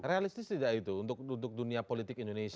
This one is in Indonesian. realistis tidak itu untuk dunia politik indonesia